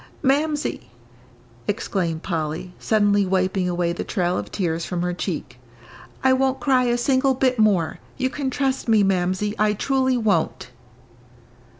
"Mamsie," exclaimed Polly, suddenly wiping away the trail of tears from her cheek, "I won't cry a single bit more. You can trust me, Mamsie, I truly won't."